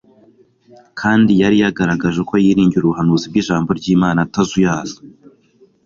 kandi yari yagaragaje uko yiringira ubuhanuzi bwijambo ryImana atazuyaza